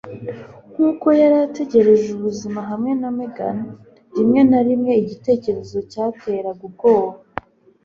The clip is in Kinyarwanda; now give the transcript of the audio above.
Nkuko yari ategereje ubuzima hamwe na Megan, rimwe na rimwe igitekerezo cyateraga ubwoba.